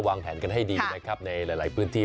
วางแผนกันให้ดีนะครับในหลายพื้นที่